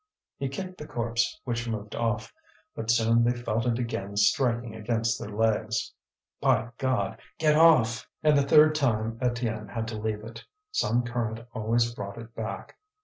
He kicked the corpse, which moved off. But soon they felt it again striking against their legs. "By God! Get off!" And the third time Étienne had to leave it. Some current always brought it back.